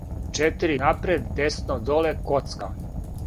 четири напред десно доле коцка